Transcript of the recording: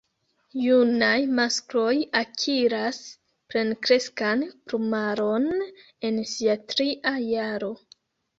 Junaj maskloj akiras plenkreskan plumaron en sia tria jaro.